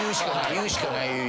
言うしかないよね。